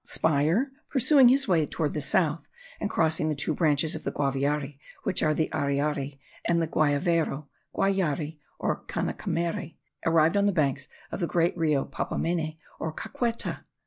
Speier, pursuing his way toward the south, and crossing the two branches of the Guaviare, which are the Ariare and the Guayavero (Guayare or Canicamare), arrived on the banks of the great Rio Papamene or Caqueta.